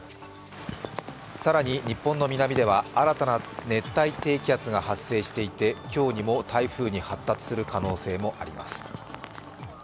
更に日本の南では新たな熱帯低気圧が発生していて今日にも台風に発達する可能性もあります。